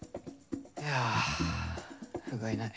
いやふがいない。